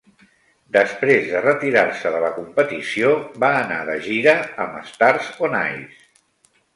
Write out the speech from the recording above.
Després de retirar-se de la competició, va anar de gira amb Stars on Ice.